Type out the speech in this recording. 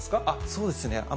そうですね。